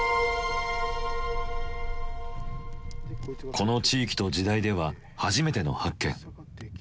この地域と時代では初めての発見。